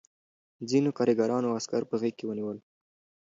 ځینو کارګرانو عسکر په غېږ کې ونیول